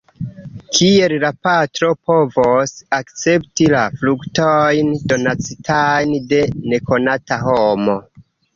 Kiel la patro povos akcepti la fruktojn, donacitajn de nekonata homo.